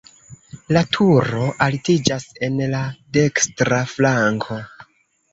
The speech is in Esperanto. La turo altiĝas en la dekstra flanko.